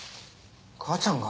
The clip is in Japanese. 母ちゃんが？